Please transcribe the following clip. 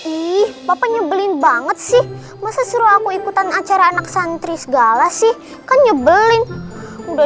ih papa nyebelin banget sih masa suruh aku ikutan acara anak santri segala sih kan nyebelin udah